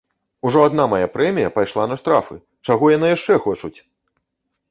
Ужо адна мая прэмія пайшла на штрафы, чаго яны яшчэ хочуць?!